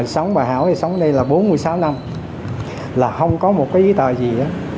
sống bà hảo sống ở đây là bốn mươi sáu năm là không có một cái ý tờ gì